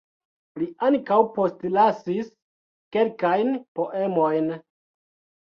Li ankaŭ postlasis kelkajn poemojn.